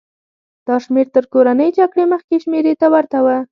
دا شمېر تر کورنۍ جګړې مخکې شمېرې ته ورته و.